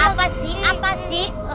apa sih apa sih